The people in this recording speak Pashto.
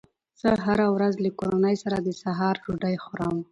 زه هره ورځ له کورنۍ سره د سهار ډوډۍ خورم